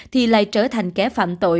thì lại trở thành kẻ phạm tội